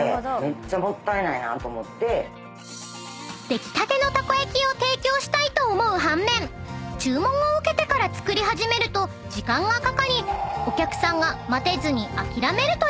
［出来たてのたこ焼きを提供したいと思う半面注文を受けてから作り始めると時間がかかりお客さんが待てずに諦めるというケースも］